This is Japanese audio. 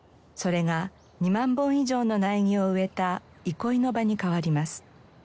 それが２万本以上の苗木を植えた憩いの場に変わります。